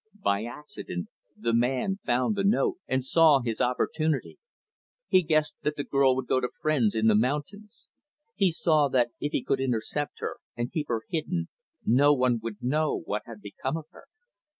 By accident, the man found the note and saw his opportunity. He guessed that the girl would go to friends in the mountains. He saw that if he could intercept her, and keep her hidden, no one would know what had become of her.